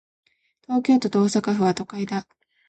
東京都と大阪府は、都会だ。